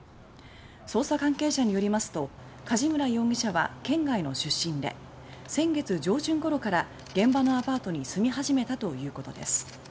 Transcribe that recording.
捜査関係者によりますと梶村容疑者は県外の出身で先月上旬ごろから現場のアパートに住み始めたということです。